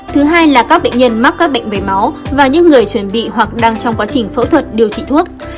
thứ hai là các bệnh nhân mắc các bệnh về máu và những người chuẩn bị hoặc đang trong quá trình phẫu thuật điều trị thuốc